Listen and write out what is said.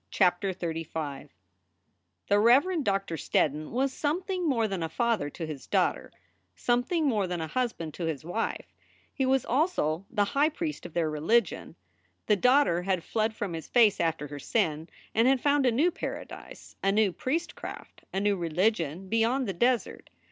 CHAPTER XXXV THE Reverend Doctor Steddon was something more than a father to his daughter, something more than a hus band to his wife; he was also the high priest of their religion. The daughter had fled from his face after her sin, and had found a new paradise, a new priestcraft, a new religion beyond the desert.